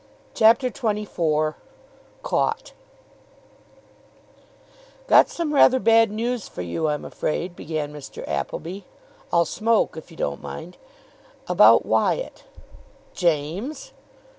CHAPTER XXIV CAUGHT "Got some rather bad news for you, I'm afraid," began Mr. Appleby. "I'll smoke, if you don't mind. About Wyatt." "James!"